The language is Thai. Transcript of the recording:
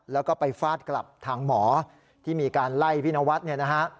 แล้วก็ไปฟาดกลับทางหมอที่มีการไล่พี่นวัสดิ์